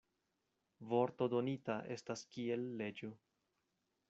Vorto donita estas kiel leĝo.